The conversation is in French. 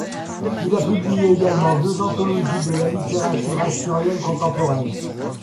Il a publié également deux anthologies de la littérature asturienne contemporaine.